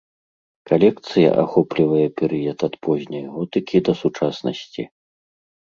Калекцыя ахоплівае перыяд ад позняй готыкі да сучаснасці.